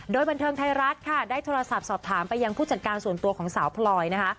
โดยบันเทิงไทยรัฐค่ะได้โทรศัพท์สอบถามไปยังผู้จัดการส่วนตัวของสาวพลอยนะคะ